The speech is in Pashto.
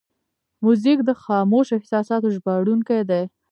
موزیک د خاموشو احساساتو ژباړونکی دی.